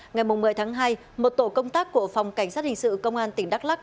ngày một mươi tháng hai một tổ công tác của phòng cảnh sát hình sự công an tỉnh đắk lắc